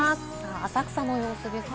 浅草の様子ですが。